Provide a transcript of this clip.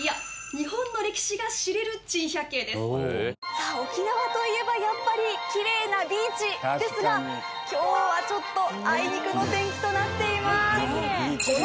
さあ沖縄といえばやっぱりきれいなビーチですが今日はちょっとあいにくの天気となっています。